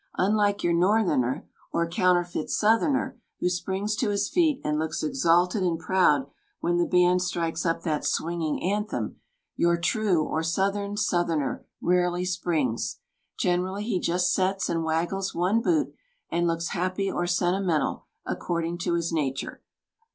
Unliice your northerner, or counterfeit southerner who springs to his feet and looks exalted and proud when the band strikes up that swinging anthem, your true, or southern south erner rarely springs. Generally he just sets and waggles one boot, and looks happy or sentimental, according to his nature.